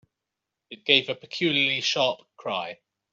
It gave a peculiarly sharp cry.